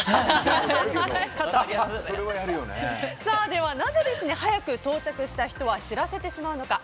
ではなぜ早く到着した人は知らせてしまうのか。